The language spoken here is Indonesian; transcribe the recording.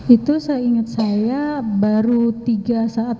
itu seingat saya baru tiga saat